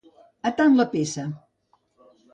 A tant la peça.